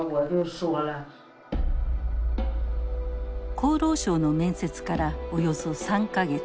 厚労省の面接からおよそ３か月。